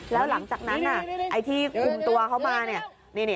แล้วหลังจากนั้นน่ะไอ้ที่กลุ่มตัวเข้ามาเนี้ยนี่นี่